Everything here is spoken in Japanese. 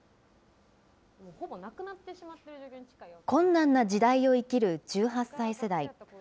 困難な時代を生きる１８歳世代。